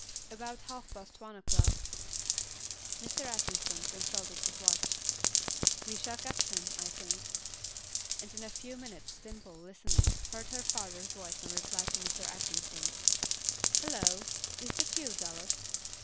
"About half past one o'clock." Mr. Atkinson consulted his watch. "We shall catch him, I think." And in a few minutes Dimple, listening, heard her father's voice in reply to Mr. Atkinson's "Hallo! is that you, Dallas?"